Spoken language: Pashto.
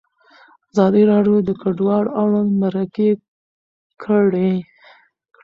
ازادي راډیو د کډوال اړوند مرکې کړي.